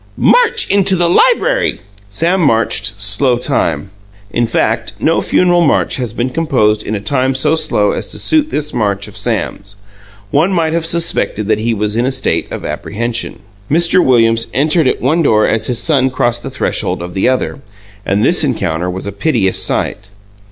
"March into the library!" Sam marched slow time. In fact, no funeral march has been composed in a time so slow as to suit this march of Sam's. One might have suspected that he was in a state of apprehension. Mr. Williams entered at one door as his son crossed the threshold of the other, and this encounter was a piteous sight.